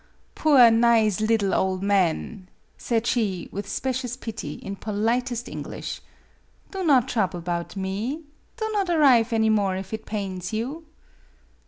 "Poor, nize liddle ole man," said she, with specious pity, in politest English ;" do not trouble 'bout me. Do not arrive any more if it pains you."